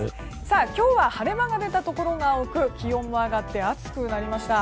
今日は晴れ間が出たところが多く気温も上がって暑くなりました。